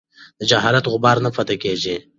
د جهالت غبار نه پاتې کېږي.